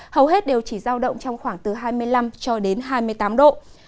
hầu hết đều chỉ giao động trong khoảng từ hai mươi năm cho đến hai mươi tám độ